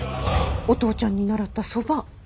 お父ちゃんに習ったそば。